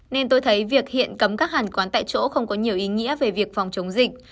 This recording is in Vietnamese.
nên tôi thấy việc hiện cấm các hàng quán tại chỗ không có nhiều ý nghĩa về việc phòng chống dịch